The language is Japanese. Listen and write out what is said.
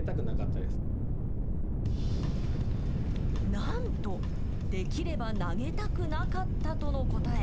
なんと、できれば投げたくなかったとの答え。